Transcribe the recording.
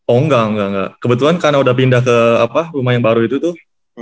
oh nggak nggak nggak kebetulan karena udah pindah ke rumah yang baru itu tuh